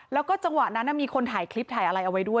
แล้วก็จังหวะนั้นมีคนถ่ายคลิปถ่ายอะไรเอาไว้ด้วย